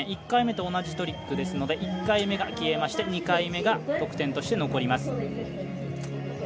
１回目と同じトリックですので１回目が消えまして２回目が得点として残ります。